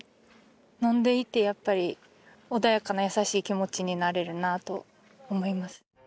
飲んでいてやっぱり穏やかな優しい気持ちになれるなと思います。